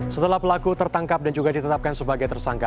setelah pelaku tertangkap dan juga ditetapkan sebagai tersangka